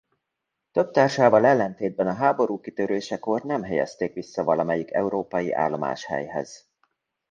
Több társával ellentétben a háború kitörésekor nem helyezték vissza valamelyik európai állomáshelyhez.